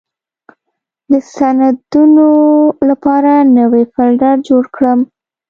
د سندونو لپاره نوې فولډر جوړه کړم.